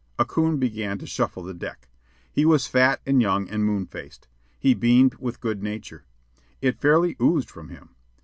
A coon began to shuffle the deck. He was fat, and young, and moon faced. He beamed with good nature. It fairly oozed from him.